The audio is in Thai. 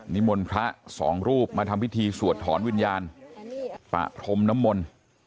นิมนต์พระสองรูปมาทำพิธีสวดถอนวิญญาณปะพรมน้ำมนต์